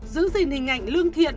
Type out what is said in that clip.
giữ gìn hình ảnh lương thiện